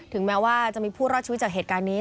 แม้ว่าจะมีผู้รอดชีวิตจากเหตุการณ์นี้